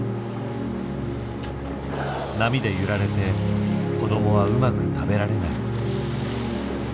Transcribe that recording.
波で揺られて子供はうまく食べられない。